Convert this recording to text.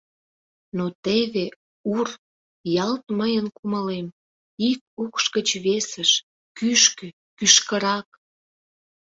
Но теве — ур — ялт мыйын кумылем — ик укш гыч весыш — кӱшкӧ, кӱшкырак!